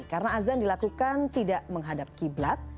karena azan dilakukan tidak menghadap kiblat